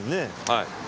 はい。